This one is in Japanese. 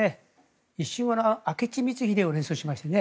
一瞬、明智光秀を連想しましたね。